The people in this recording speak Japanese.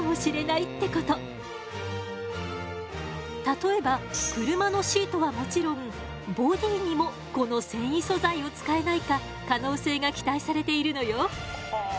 例えば車のシートはもちろんボティにもこの繊維素材を使えないか可能性が期待されているのよ。